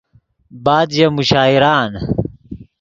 بعد ژے مشاعرآن